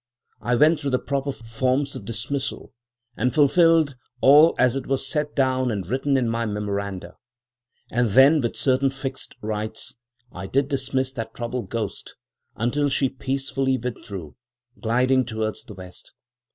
I went through the proper forms of dismissal, and fulfilled all as it was set down and written in my memoranda; and then, with certain fixed rites, I did dismiss that troubled ghost, until she peacefully withdrew, gliding towards the west.